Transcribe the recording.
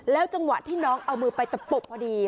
จังหวะที่น้องเอามือไปตะปบพอดี